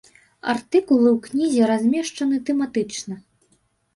Артыкулы ў кнізе размешчаны тэматычна.